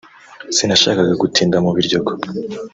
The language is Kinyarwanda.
sinashakaga gutinda mu Biryogo